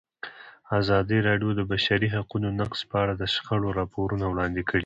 ازادي راډیو د د بشري حقونو نقض په اړه د شخړو راپورونه وړاندې کړي.